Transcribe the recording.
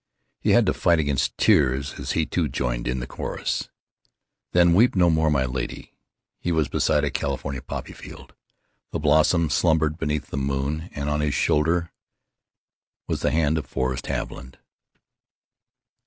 He had to fight against tears as he too joined in the chorus.... "Then weep no more, my lady."... He was beside a California poppy field. The blossoms slumbered beneath the moon, and on his shoulder was the hand of Forrest Haviland....